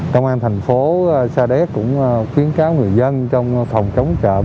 công an thành phố sa đéc cũng khuyến kháo người dân trong phòng trống trộm